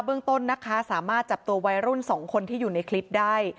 เรื่องต้นนะคะสามารถจับตัววัยรุ่น๒คนที่อยู่ในคลิปได้